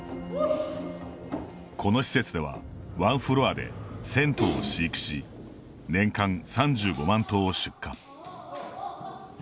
この施設では１フロアで１０００頭を飼育し年間３５万頭を出荷。